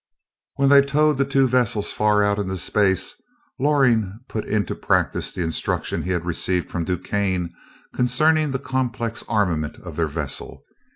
When they towed the two vessels far out into space, Loring put into practise the instruction he had received from DuQuesne concerning the complex armament of their vessel.